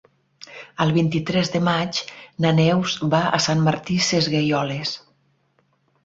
El vint-i-tres de maig na Neus va a Sant Martí Sesgueioles.